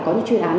có những chuyên án